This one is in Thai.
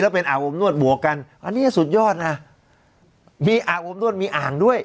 เป็นอาบอบนวดบวกกันอันนี้สุดยอดนะมีอาบอบนวดมีอ่างด้วย